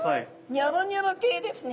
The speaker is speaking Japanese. ニョロニョロ系ですね。